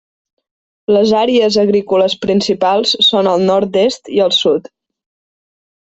Les àrees agrícoles principals són al nord-est i al sud.